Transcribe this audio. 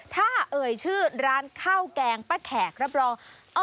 ถ้าเอ่ยชื่อร้านข้าวแกงป้าแขกรับรอง